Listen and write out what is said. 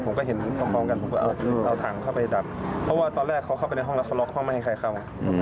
ผมก็เห็นพร้อมกันผมก็เอาถังเข้าไปดับเพราะว่าตอนแรกเขาเข้าไปในห้องแล้วเขาล็อกห้องไม่ให้ใครเข้า